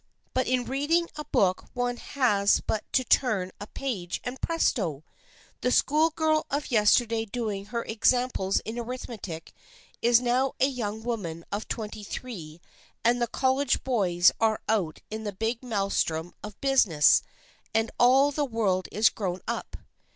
But in reading a book one has but to turn a page and Presto ! the schoolgirl of yesterday doing her examples in arithmetic is now a young woman of twenty three and the college boys are out in the big maelstrom of business, and all the world is grown up.